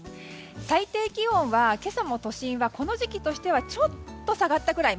最低気温は今朝も都心はこの時期としてはちょっと下がったぐらい。